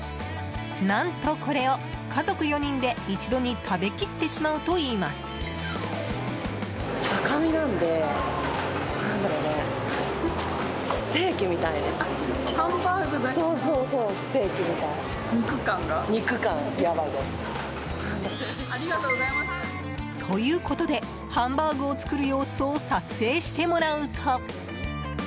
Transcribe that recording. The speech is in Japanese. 何とこれを、家族４人で一度に食べきってしまうといいます。ということでハンバーグを作る様子を撮影してもらうと。